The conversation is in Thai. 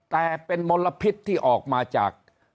แต่เป็นมลพิษที่ออกมาจาก